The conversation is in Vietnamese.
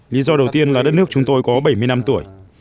lý do đầu tiên là đất nước chúng tôi có bảy mươi năm tuổi